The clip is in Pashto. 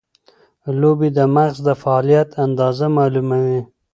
لوبې د مغز د فعالیت اندازه معلوموي.